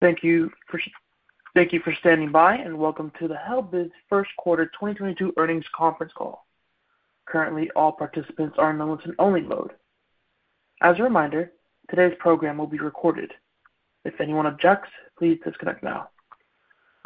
Thank you for standing by, and welcome to the Helbiz First Quarter 2022 Earnings Conference Call. Currently, all participants are in a listen-only mode. As a reminder, today's program will be recorded. If anyone objects, please disconnect now.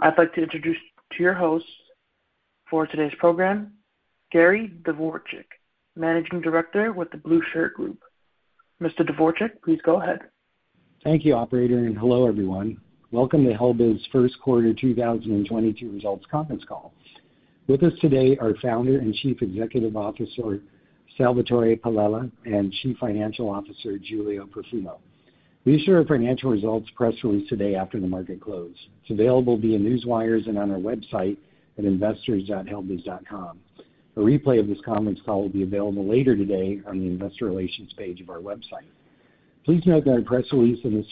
I'd like to introduce your hosts for today's program, Gary Dvorchak, Managing Director with The Blueshirt Group. Mr. Dvorchak, please go ahead. Thank you, operator, and hello, everyone. Welcome to Helbiz First Quarter 2022 Results Conference Call. With us today are Founder and Chief Executive Officer Salvatore Palella and Chief Financial Officer Giulio Profumo. We issued our financial results press release today after the market closed. It's available via newswires and on our website at investors.helbiz.com. A replay of this conference call will be available later today on the investor relations page of our website. Please note that our press release and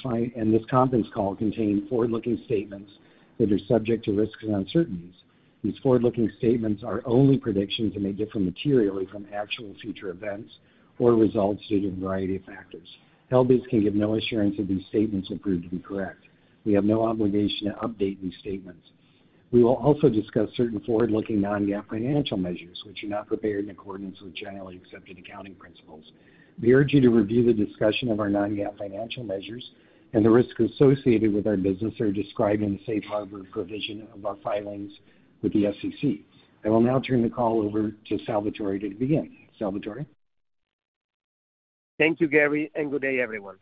this conference call contain forward-looking statements that are subject to risks and uncertainties. These forward-looking statements are only predictions and may differ materially from actual future events or results due to a variety of factors. Helbiz can give no assurance that these statements are proved to be correct. We have no obligation to update these statements. We will also discuss certain forward-looking non-GAAP financial measures, which are not prepared in accordance with generally accepted accounting principles. We urge you to review the discussion of our non-GAAP financial measures, and the risks associated with our business are described in the safe harbor provision of our filings with the SEC. I will now turn the call over to Salvatore to begin. Salvatore. Thank you, Gary, and good day, everyone.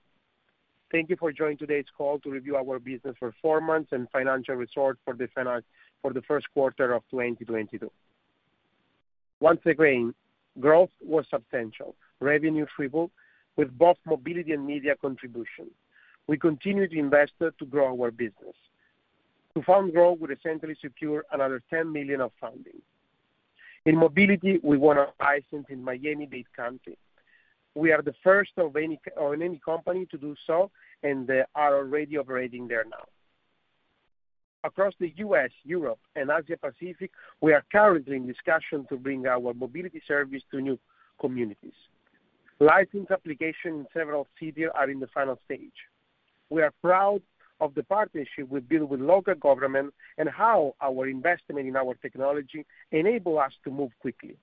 Thank you for joining today's call to review our business performance and financial results for the first quarter of 2022. Once again, growth was substantial. Revenue tripled with both mobility and media contribution. We continued to invest to grow our business. To fund growth, we recently secured another $10 million of funding. In mobility, we won a license in Miami-Dade County. We are the first of any company to do so, and they are already operating there now. Across the U.S., Europe, and Asia Pacific, we are currently in discussion to bring our mobility service to new communities. License application in several cities are in the final stage. We are proud of the partnership we build with local government and how our investment in our technology enable us to move quickly.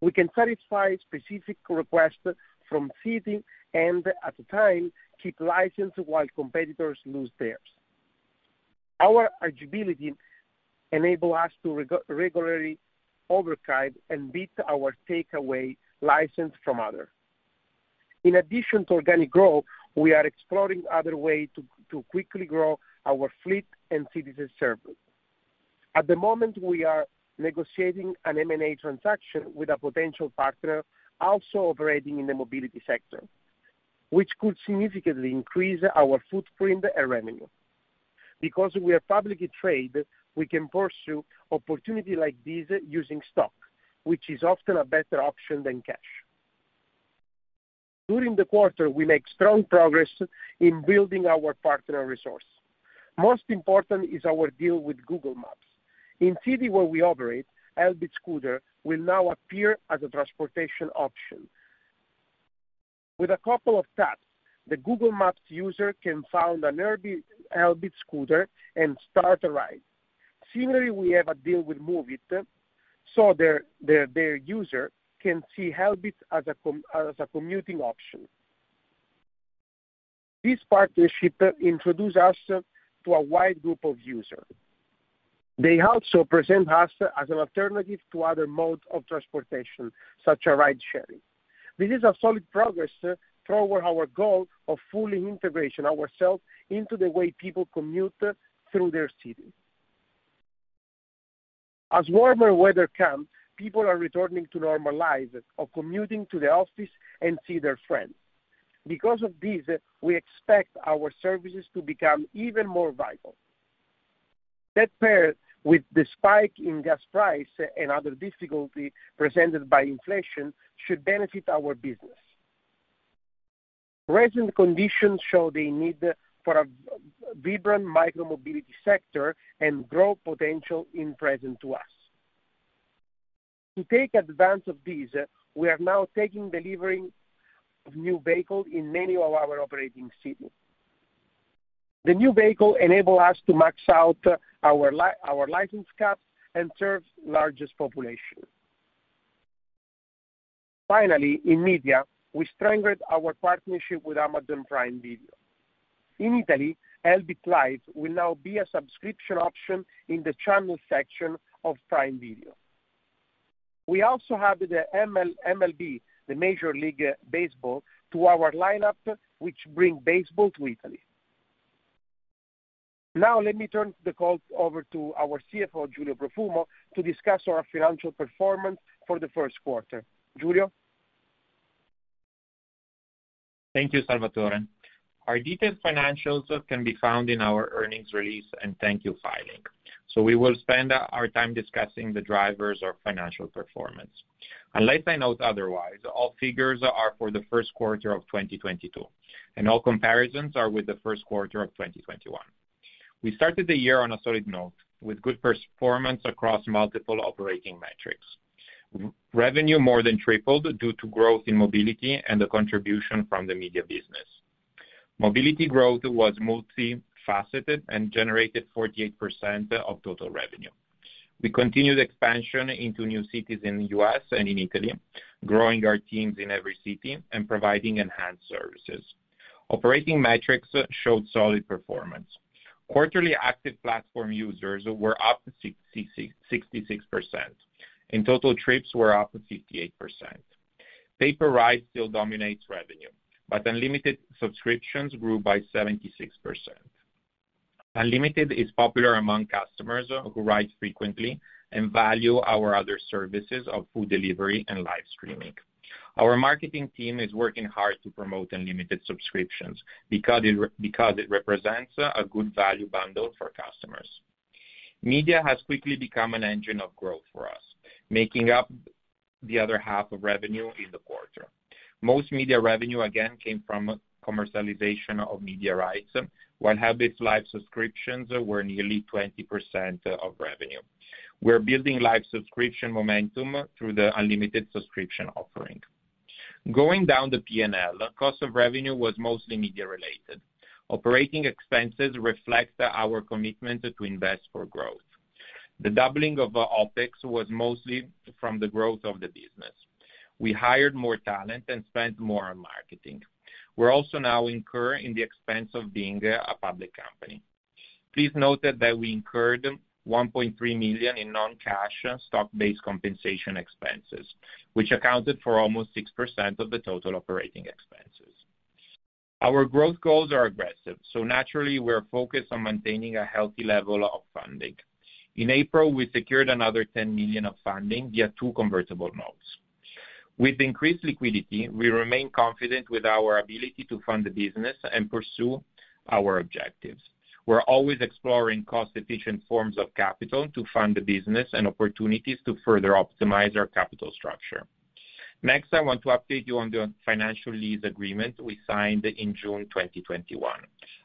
We can satisfy specific requests from cities and, at the same time, keep licenses while competitors lose theirs. Our agility enable us to regularly override and beat or take away licenses from others. In addition to organic growth, we are exploring other ways to quickly grow our fleet and citizen service. At the moment, we are negotiating an M&A transaction with a potential partner also operating in the mobility sector, which could significantly increase our footprint and revenue. Because we are publicly traded, we can pursue opportunities like this using stock, which is often a better option than cash. During the quarter, we make strong progress in building our partnership resources. Most important is our deal with Google Maps. In cities where we operate, Helbiz scooters will now appear as a transportation option. With a couple of taps, the Google Maps user can find a Helbiz scooter and start a ride. Similarly, we have a deal with Moovit, so their user can see Helbiz as a commuting option. This partnership introduces us to a wide group of users. They also present us as an alternative to other modes of transportation, such as ridesharing. This is a solid progress toward our goal of fully integrating ourselves into the way people commute through their city. As warmer weather comes, people are returning to normality of commuting to the office and see their friends. Because of this, we expect our services to become even more vital. That paired with the spike in gas prices and other difficulties presented by inflation should benefit our business. Recent conditions show the need for a vibrant micro-mobility sector and growth potential presented to us. To take advantage of this, we are now taking delivery of new vehicle in many of our operating cities. The new vehicle enable us to max out our license caps and serve largest population. Finally, in media, we strengthened our partnership with Amazon Prime Video. In Italy, Helbiz Live will now be a subscription option in the channel section of Prime Video. We also have the MLB, the Major League Baseball, to our lineup, which bring baseball to Italy. Now let me turn the call over to our CFO, Giulio Profumo, to discuss our financial performance for the first quarter. Giulio. Thank you, Salvatore. Our detailed financials can be found in our earnings release and 10-Q filing. We will spend our time discussing the drivers of financial performance. Unless I note otherwise, all figures are for the first quarter of 2022, and all comparisons are with the first quarter of 2021. We started the year on a solid note with good performance across multiple operating metrics. Revenue more than tripled due to growth in mobility and the contribution from the media business. Mobility growth was multifaceted and generated 48% of total revenue. We continued expansion into new cities in the U.S. and in Italy, growing our teams in every city and providing enhanced services. Operating metrics showed solid performance. Quarterly active platform users were up 66%, and total trips were up 58%. Pay-per-ride still dominates revenue, but unlimited subscriptions grew by 76%. Unlimited is popular among customers who ride frequently and value our other services of food delivery and live streaming. Our marketing team is working hard to promote unlimited subscriptions because it represents a good value bundle for customers. Media has quickly become an engine of growth for us, making up the other half of revenue in the quarter. Most media revenue again came from commercialization of media rights, while Helbiz's live subscriptions were nearly 20% of revenue. We're building live subscription momentum through the unlimited subscription offering. Going down the P&L, cost of revenue was mostly media related. Operating expenses reflect our commitment to invest for growth. The doubling of OpEx was mostly from the growth of the business. We hired more talent and spent more on marketing. We're also now incurring the expense of being a public company. Please note that we incurred $1.3 million in non-cash stock-based compensation expenses, which accounted for almost 6% of the total operating expenses. Our growth goals are aggressive, so naturally, we're focused on maintaining a healthy level of funding. In April, we secured another $10 million of funding via two convertible notes. With increased liquidity, we remain confident with our ability to fund the business and pursue our objectives. We're always exploring cost-efficient forms of capital to fund the business and opportunities to further optimize our capital structure. Next, I want to update you on the financial lease agreement we signed in June 2021,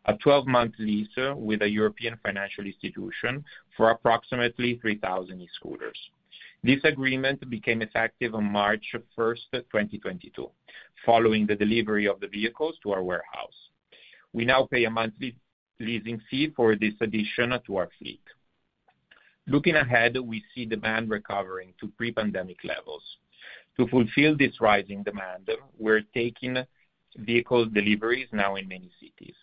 a 12-month lease with a European financial institution for approximately 3,000 e-scooters. This agreement became effective on March 1, 2022, following the delivery of the vehicles to our warehouse. We now pay a monthly leasing fee for this addition to our fleet. Looking ahead, we see demand recovering to pre-pandemic levels. To fulfill this rising demand, we're taking vehicle deliveries now in many cities.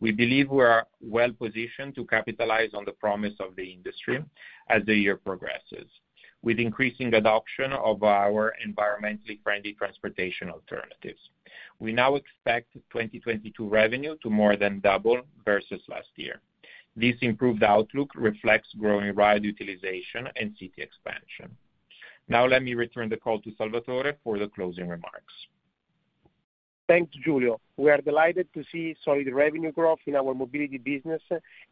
We believe we are well-positioned to capitalize on the promise of the industry as the year progresses. With increasing adoption of our environmentally friendly transportation alternatives, we now expect 2022 revenue to more than double versus last year. This improved outlook reflects growing ride utilization and city expansion. Now let me return the call to Salvatore for the closing remarks. Thanks, Giulio. We are delighted to see solid revenue growth in our mobility business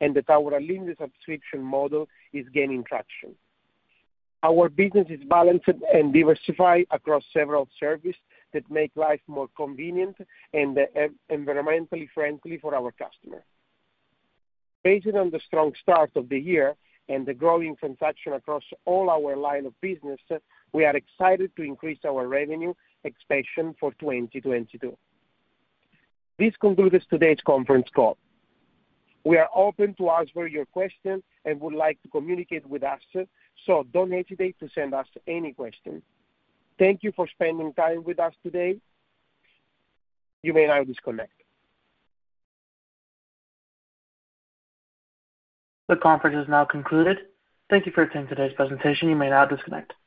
and that our unlimited subscription model is gaining traction. Our business is balanced and diversified across several service that make life more convenient and environmentally friendly for our customer. Based on the strong start of the year and the growing transaction across all our line of business, we are excited to increase our revenue expansion for 2022. This concludes today's conference call. We are open to answer your questions and would like to communicate with us, so don't hesitate to send us any questions. Thank you for spending time with us today. You may now disconnect. The conference is now concluded. Thank you for attending today's presentation. You may now disconnect.